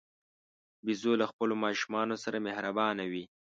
بیزو له خپلو ماشومانو سره مهربانه وي.